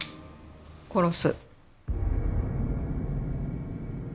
殺す。